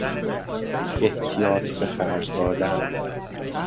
احتیاط بخرج دادن